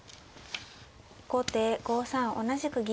後手５三同じく銀。